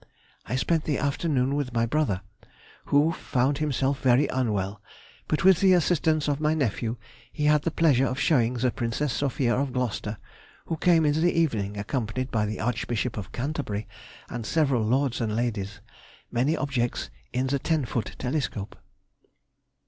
_—I spent the afternoon with my brother, who found himself very unwell, but with the assistance of my nephew, he had the pleasure of showing the Princess Sophia of Gloucester (who came in the evening accompanied by the Archbishop of Canterbury and several lords and ladies) many objects in the ten foot telescope.